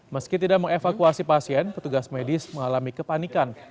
meski tidak mengevakuasi pasien petugas medis mengalami kepanikan